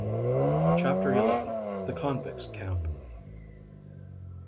CHAPTER XI THE CONVICTS' CAMP.